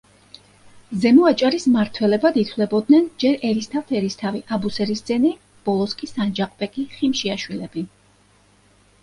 ზემო აჭარის მმართველებად ითვლებოდნენ ჯერ ერისთავთ-ერისთავი აბუსერისძენი, ბოლოს კი სანჯაყ-ბეგი ხიმშიაშვილები.